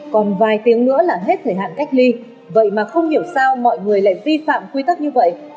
còn vài tiếng nữa là hết thời hạn cách ly vậy mà không hiểu sao mọi người lại vi phạm quy tắc như vậy